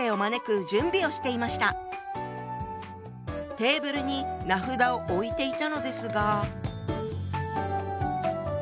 テーブルに名札を置いていたのですが。